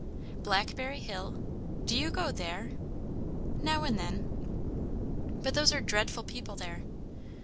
"Blackberry hill? do you go there?" "Now and then." "But those are dreadful people there."